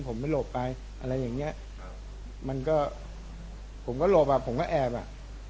ผมไม่หลบไปอะไรอย่างเงี้ยมันก็ผมก็หลบอ่ะผมก็แอบอ่ะ